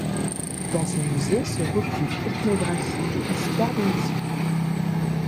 Dans ce musée se recoupent ethnographie et histoire des missions.